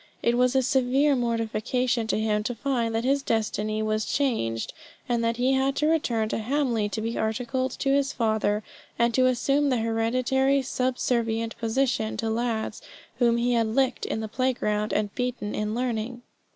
It was a severe mortification to him to find that his destiny was changed, and that he had to return to Hamley to be articled to his father, and to assume the hereditary subservient position to lads whom he had licked in the play ground, and beaten at learning.